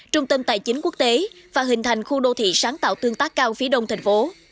trung tâm tài chính quốc tế và hình thành khu đô thị sáng tạo tương tác cao phía đông thành phố